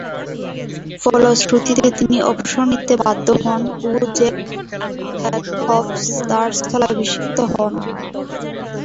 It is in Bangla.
ফলশ্রুতিতে তিনি অবসর নিতে বাধ্য হন ও জ্যাক হবস তার স্থলাভিষিক্ত হন।